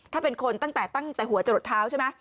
ถ้าเป็นคนตั้งแต่หัวจะหลดเท้าใช่ไหม